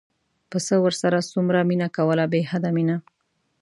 پسه ورسره څومره مینه کوله بې حده مینه.